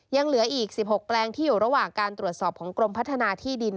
ยังเหลืออีก๑๖แปลงที่อยู่ระหว่างการตรวจสอบของกรมพัฒนาที่ดิน